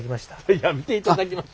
いや「見ていただきました」。